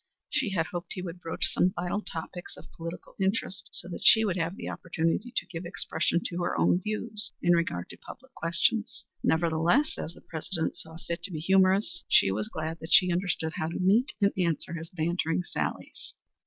She had hoped he would broach some vital topics of political interest, and that she would have the opportunity to give expression to her own views in regard to public questions. Nevertheless, as the President saw fit to be humorous, she was glad that she understood how to meet and answer his bantering sallies.